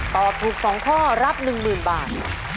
ตอบถูก๒ข้อรับ๑๐๐๐บาท